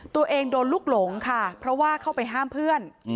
ตัวเองโดนลูกหลงค่ะเพราะว่าเข้าไปห้ามเพื่อน